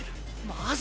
マジ？